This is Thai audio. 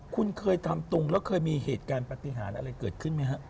คุณเคยทำตรงแล้วเคยมีเหตุการณ์ปฏิหารอะไรเกิดขึ้นไหมฮะ